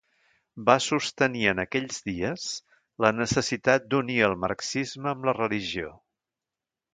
Va sostenir en aquells dies la necessitat d'unir el marxisme amb la religió.